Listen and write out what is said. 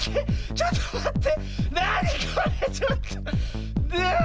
ちょっとまって。